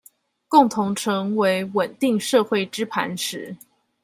共同成為穩定社會之磐石